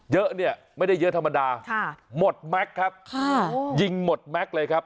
เยอะเนี่ยไม่ได้เยอะธรรมดาค่ะหมดแม็กซ์ครับค่ะยิงหมดแม็กซ์เลยครับ